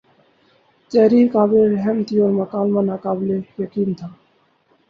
تحریر قابل رحم تھی اور مکالمہ ناقابل یقین تھا